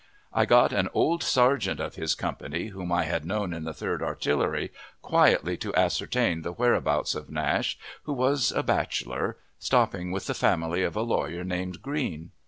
I got an old sergeant of his company, whom I had known in the Third Artillery, quietly to ascertain the whereabouts of Nash, who was a bachelor, stopping with the family of a lawyer named Green.